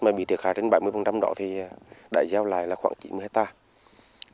mà bị thiệt hại trên bảy mươi đó thì đã gieo lại là khoảng chín mươi hectare